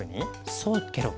そうケロ。